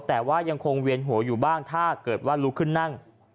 แต่ว่ายังคงเวียนหัวอยู่บ้างถ้าเกิดว่าลุกขึ้นนั่ง